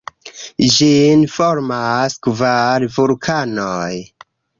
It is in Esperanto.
Ĝin formas kvar vulkanoj.